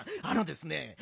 あのですね